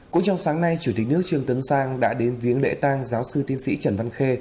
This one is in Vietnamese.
cũng trong sáng nay chủ tịch nước trương tấn sang đã đến viếng lễ tang giáo sư tiến sĩ trần văn khê